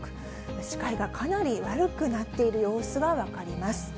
視界がかなり悪くなっている様子が分かります。